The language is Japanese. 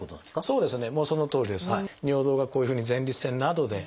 そうですね。